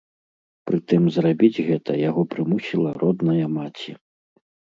Прытым зрабіць гэта яго прымусіла родная маці.